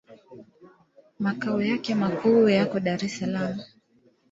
Makao yake makuu yako Dar es Salaam.